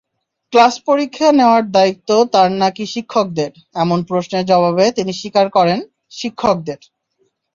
ক্লাস-পরীক্ষা নেওয়ার দায়িত্ব তাঁর নাকি শিক্ষকদের—এমন প্রশ্নের জবাবে তিনি স্বীকার করেন, শিক্ষকদের।